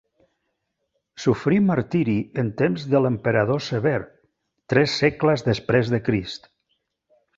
Sofrí martiri en temps de l'emperador Sever, tres segles després de Crist.